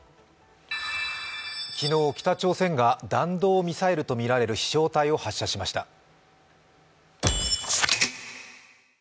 昨日、北朝鮮が弾道ミサイルとみられる飛翔体を発射しました。